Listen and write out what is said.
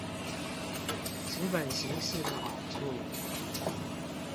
紙本形式的好處